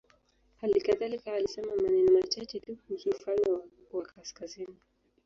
Hali kadhalika alisema maneno machache tu kuhusu ufalme wa kaskazini.